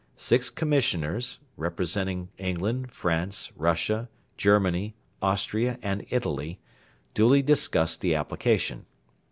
Six Commissioners representing England, France, Russia, Germany, Austria, and Italy duly discussed the application.